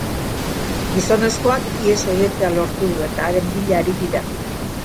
Gizonezkoak ihes egitea lortu du eta haren bila ari dira.